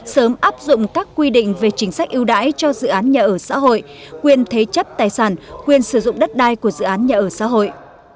sớm áp dụng các quy định về chính sách ưu đãi cho dự án nhà ở xã hội quyền thế chấp tài sản quyền sử dụng đất đai của dự án nhà ở xã hội